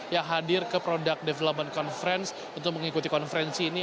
yang hadir ke product development conference untuk mengikuti konferensi ini